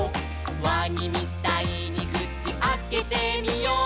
「わにみたいにくちあけてみよう」